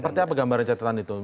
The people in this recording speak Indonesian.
seperti apa gambaran catatan itu